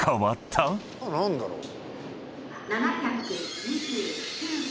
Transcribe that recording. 何だろう？